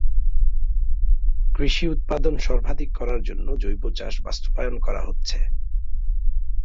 কৃষি উৎপাদন সর্বাধিক করার জন্য জৈব চাষ বাস্তবায়ন করা হচ্ছে।